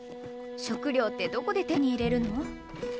食料ってどこで手に入れるの？